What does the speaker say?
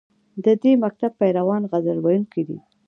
د دې مکتب پیروان غزل ویونکي دي